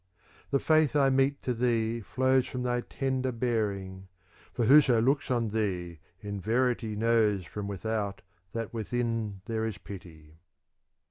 The faith I mete to thee flows from thy tender bear ing ; for whoso looks on thee, in verity knows from without that within there is pity.